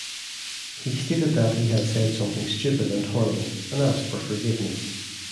He stated that he had said something stupid and horrible and asked for forgiveness.